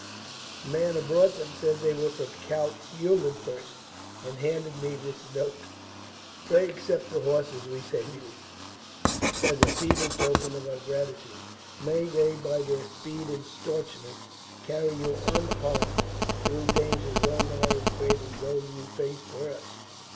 The man who brought them said they were from Count Eulenfurst, and handed me this note: "'Pray accept the horses we send you, as a feeble token of our gratitude. May they, by their speed and staunchness, carry you unharmed through dangers well nigh as great as those you faced for us.'"